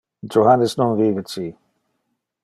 Johannes non vive ci.